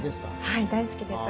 はい大好きです。